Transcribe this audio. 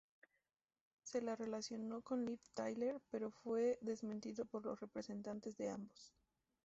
Se la relacionó con Liv Tyler pero fue desmentido por los representantes de ambos.